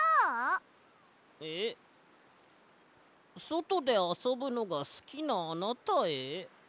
「そとであそぶのがすきなあなたへ」？